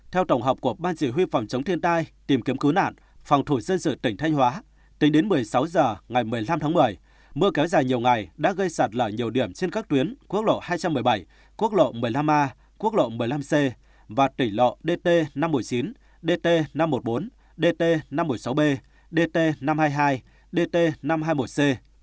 theo tổng hợp của ban chỉ huy phòng chống thiên tai tìm kiếm cứu nạn phòng thủ dân sự tỉnh thanh hóa tính đến một mươi sáu h ngày một mươi năm tháng một mươi mưa kéo dài nhiều ngày đã gây sạt lở nhiều điểm trên các tuyến quốc lộ hai trăm một mươi bảy quốc lộ một mươi năm a quốc lộ một mươi năm c và tỉnh lộ dt năm trăm một mươi chín dt năm trăm một mươi bốn dt năm trăm một mươi sáu b dt năm trăm hai mươi hai dt năm trăm hai mươi một c